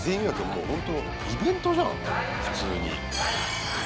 もう、ほんとイベントじゃん、普通に。